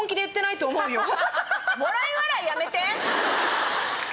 もらい笑いやめて！